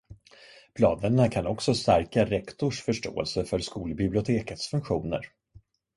Planerna kan också stärka rektors förståelse för skolbibliotekets funktioner.